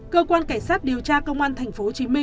cơ quan cảnh sát điều tra công an tp hcm